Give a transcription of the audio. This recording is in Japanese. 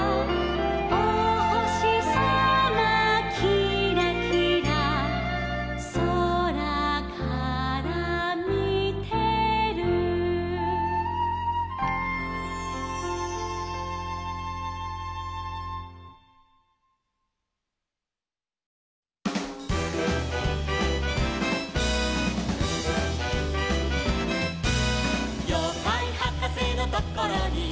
「おほしさまきらきら」「そらからみてる」「ようかいはかせのところに」